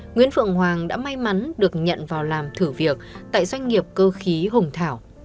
nguyễn phượng hoàng đã may mắn được nhận vào làm thử việc tại doanh nghiệp cơ khí hùng thảo